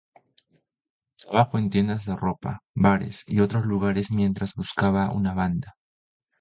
Trabajó en tiendas de ropa, bares y otros lugares mientras buscaba una banda.